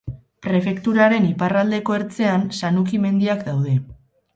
Prefekturaren iparraldeko ertzean Sanuki mendiak daude.